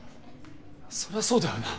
そりゃそうだよな。